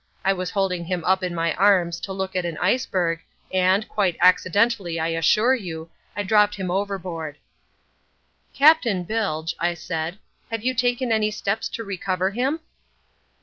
I was holding him up in my arms to look at an iceberg and, quite accidentally I assure you—I dropped him overboard." "Captain Bilge," I asked, "have you taken any steps to recover him?"